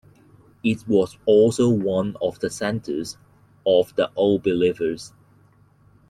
It was also one of the centers of the Old Believers.